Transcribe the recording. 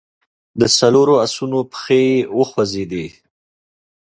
د څلورو آسونو پښې وخوځېدې.